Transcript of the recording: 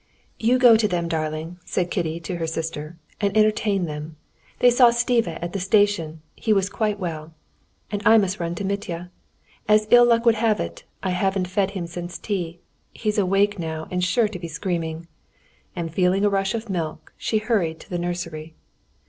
"You go to them, darling," said Kitty to her sister, "and entertain them. They saw Stiva at the station; he was quite well. And I must run to Mitya. As ill luck would have it, I haven't fed him since tea. He's awake now, and sure to be screaming." And feeling a rush of milk, she hurried to the nursery.